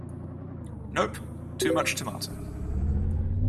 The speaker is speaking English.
Nope! Too much tomato.